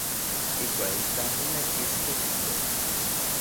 Ijkuak itlaj monekis, techilui.